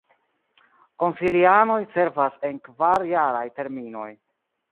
Konsilianoj servas en kvar-jaraj terminoj.